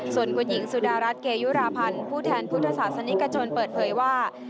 ส่วนคุณหญิงสุดารัฐเกยุราพันธ์ผู้แทนพุทธศาสนิกชนเปิดเผยว่า